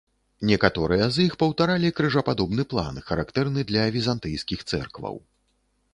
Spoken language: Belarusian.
Некаторыя з іх паўтаралі крыжападобны план, характэрны для візантыйскіх цэркваў.